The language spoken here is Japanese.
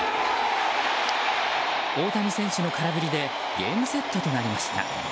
大谷選手の空振りでゲームセットとなりました。